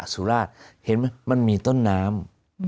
สุราชเห็นไหมมันมีต้นน้ำ